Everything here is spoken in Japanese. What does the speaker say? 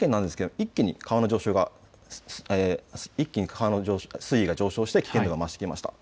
千葉県なんですが一気に川の水位が上昇して危険度が増してきました。